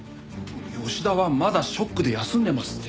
吉田はまだショックで休んでますって。